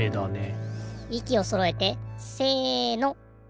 いきをそろえてせの。